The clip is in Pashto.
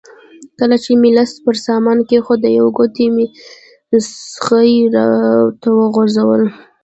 کله چې مې لاس پر سامان کېښود یوه ګوته مې څغۍ ته وغځوله.